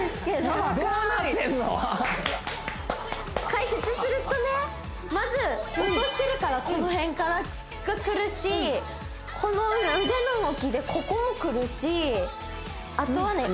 解説するとねまず運動してるからこの辺がくるしこの腕の動きでここもくるしあとはね